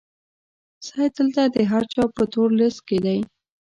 سید دلته د هر چا په تور لیست کې دی.